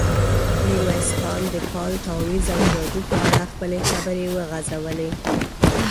ميرويس خان د فال، تاويذ او جادو په اړه خپلې خبرې وغځولې.